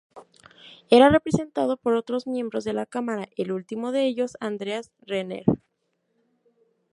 Era representado por otros miembros de la cámara, el último de ellos Andreas Renner.